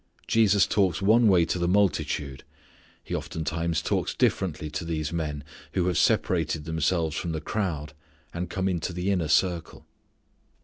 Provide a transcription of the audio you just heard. Jesus talks one way to the multitude. He oftentimes talks differently to these men who have separated themselves from the crowd and come into the inner circle.